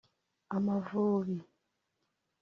Amavubi